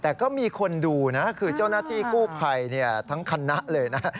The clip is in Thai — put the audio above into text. แต่ก็มีคนดูนะคือเจ้าหน้าที่กู้ภัยทั้งคณะเลยนะ